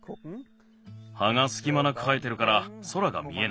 はがすきまなく生えてるから空が見えない。